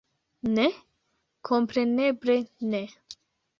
Ne, kompreneble ne!